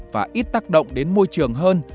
và ít tác động đến môi trường hơn